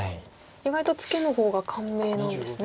意外とツケの方が簡明なんですね。